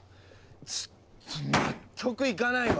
ちょっと納得いかないわ！